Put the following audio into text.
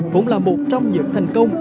cũng là một trong những thành công